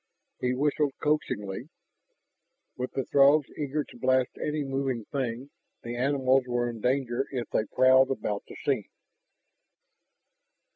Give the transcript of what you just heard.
He whistled coaxingly. With the Throgs eager to blast any moving thing, the animals were in danger if they prowled about the scene.